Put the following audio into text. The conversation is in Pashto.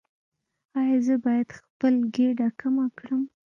ایا زه باید خپل ګیډه کمه کړم؟